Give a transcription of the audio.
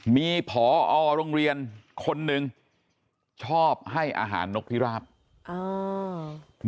มีผอโรงเรียนคนหนึ่งชอบให้อาหารนกพิราบอ่า